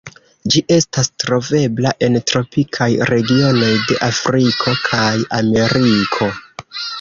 Ĝi estas trovebla en tropikaj regionoj de Afriko kaj Ameriko.